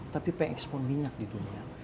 tapi pengekspon minyak di dunia